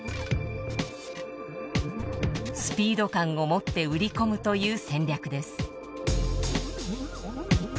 スピード感を持って売り込むという戦略です。